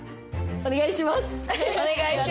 お願いします。